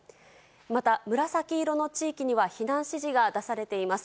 また、紫色の地域には避難指示が出されています。